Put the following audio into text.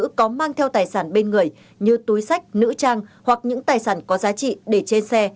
nữ có mang theo tài sản bên người như túi sách nữ trang hoặc những tài sản có giá trị để trên xe